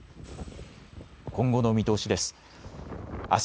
今後の見通しです。